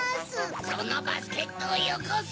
そのバスケットをよこせ！